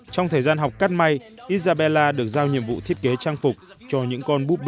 trong thời gian học cắt may isabella được giao nhiệm vụ thiết kế trang phục cho những con búp bê ưu phiền